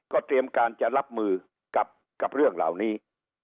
เตรียมการจะรับมือกับเรื่องเหล่านี้